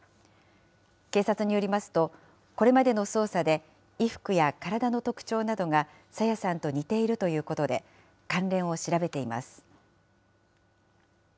警察によりますと、これまでの捜査で衣服や体の特徴などが朝芽さんと似ているということで、関連を調べています。